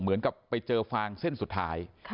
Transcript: เหมือนกับไปเจอฟางเส้นสุดท้าย